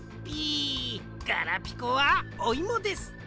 ピガラピコはおいもです。